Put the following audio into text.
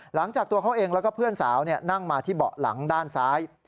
หลังจากตัวเขาเองแล้วก็เพื่อนสาวนั่งมาที่เบาะหลังด้านซ้าย